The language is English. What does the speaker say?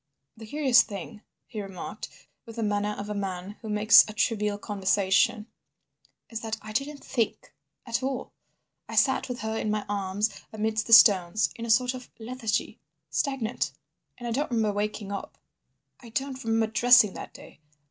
"The curious thing," he remarked, with the manner of a man who makes a trivial conversation, "is that I didn't think—at all. I sat with her in my arms amidst the stones—in a sort of lethargy—stagnant. "And I don't remember waking up. I don't remember dressing that day.